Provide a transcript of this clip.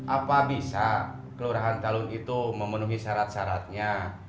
apa bisa kelurahan talun itu memenuhi syarat syaratnya